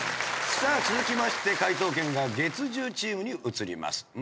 さあ続きまして解答権が月１０チームに移ります。